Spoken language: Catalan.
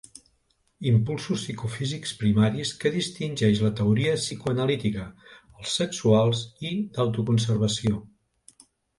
Impulsos psicofísics primaris que distingeix la teoria psicoanalítica: els sexuals i d'autoconservació.